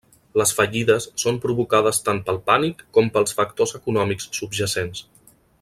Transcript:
Les fallides són provocades tant pel pànic com pels factors econòmics subjacents.